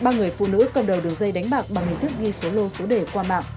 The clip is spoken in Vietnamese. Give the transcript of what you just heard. ba người phụ nữ cầm đầu đường dây đánh bạc bằng hình thức ghi số lô số đề qua mạng